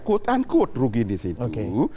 kut an kut rugi di situ